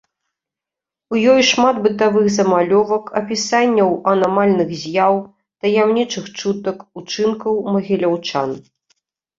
У ёй шмат бытавых замалёвак, апісанняў анамальных з'яў, таямнічых чутак, учынкаў магіляўчан.